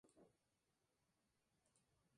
El álbum llegó al Disco de Oro.